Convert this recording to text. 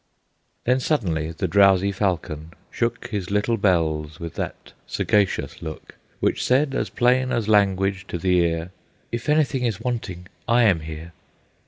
Then suddenly the drowsy falcon shook His little bells, with that sagacious look, Which said, as plain as language to the ear, "If anything is wanting, I am here!"